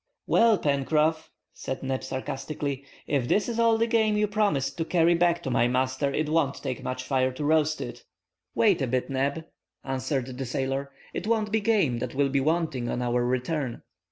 "Well, Pencroff," said Neb sarcastically, "if this is all the game you promised to carry back to my master it won't take much fire to roast it!" "Wait a bit, Neb," answered the sailor; "it won't be game that will be wanting on our return."